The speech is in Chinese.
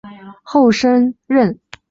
后升任刑部郎中。